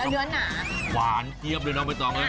แล้วเนื้อหนาหวานเกี๊ยบเลยเอาไปต่อไหม